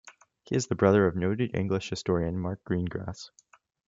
He is the brother of noted English historian Mark Greengrass.